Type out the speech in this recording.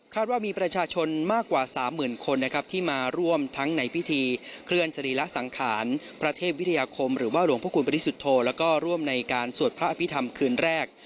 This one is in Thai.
ว่ามีประชาชนมากกว่าสามหมื่นคนนะครับที่มาร่วมทั้งในพิธีเคลื่อนสรีระสังขารพระเทพวิทยาคมหรือว่าหลวงพระคุณบริสุทธโธแล้วก็ร่วมในการสวดพระอภิษฐรรมคืนแรก